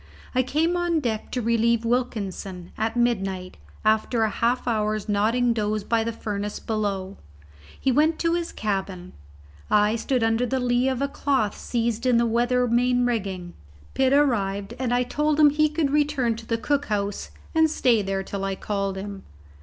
I came on deck to relieve Wilkinson, at midnight, after a half hour's nodding doze by the furnace below. He went to his cabin; I stood under the lee of a cloth seized in the weather main rigging. Pitt arrived, and I told him he could return to the cook house and stay there till I called him.